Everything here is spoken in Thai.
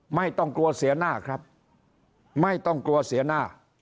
ไม่ต้องกลัวเสียหน้าครับไม่ต้องกลัวเสียหน้า